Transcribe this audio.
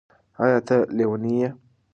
ایا ته لیونی یې؟